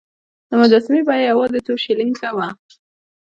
د مجسمې بیه یوازې څو شیلینګه وه.